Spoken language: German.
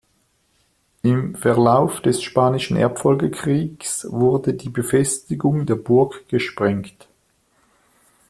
Im Verlauf des Spanischen Erbfolgekriegs wurde die Befestigung der Burg gesprengt.